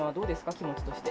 気持ちとして。